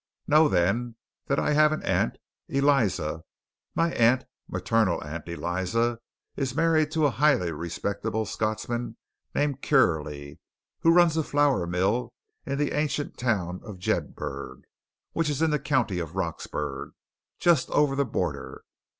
Know, then, that I have an aunt Eliza. My aunt maternal aunt Eliza is married to a highly respectable Scotsman named Kierley, who runs a flour mill in the ancient town of Jedburgh, which is in the county of Roxburgh, just over the Border.